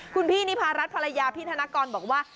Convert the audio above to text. คุณพี่นิพารัฐภรรยาพี่ธนกรบอกว่า